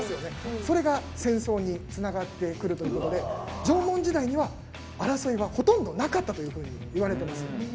それが戦争につながってくるということで縄文時代には争いはほとんどなかったというふうにいわれてます。